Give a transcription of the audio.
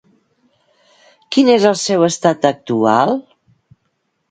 Quin és el seu estat actual?